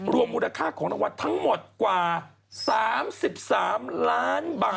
มูลค่าของรางวัลทั้งหมดกว่า๓๓ล้านบาท